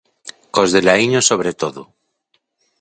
Cos de Laíño sobre todo.